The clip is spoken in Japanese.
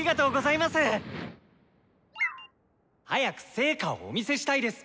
「早く成果をお見せしたいです！